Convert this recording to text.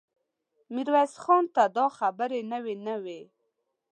ميرويس خان ته دا خبرې نوې نه وې.